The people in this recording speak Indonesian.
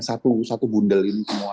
satu bundel ini semuanya